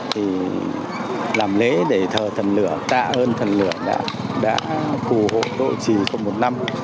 thì làm lễ để thờ thần lửa tạ ơn thần lửa đã phù hộ độ trì trong một năm